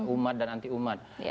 umat dan anti umat